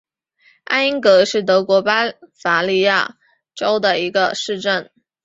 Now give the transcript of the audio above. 艾因格是德国巴伐利亚州的一个市镇。